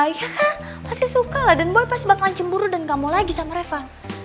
pasti suka lah dan ball pasti bakalan cemburu dan kamu lagi sama reva